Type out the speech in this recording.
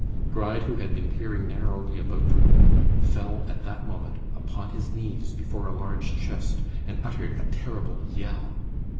Gride, who had been peering narrowly about the room, fell, at that moment, upon his knees before a large chest, and uttered a terrible yell.